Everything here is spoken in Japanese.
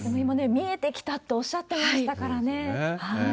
今、見えてきたっておっしゃってましたからね。